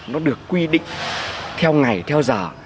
nó được quy định theo ngày theo giờ